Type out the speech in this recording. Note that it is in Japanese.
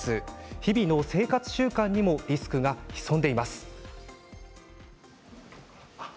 日々の生活習慣にもリスクが潜んでいます。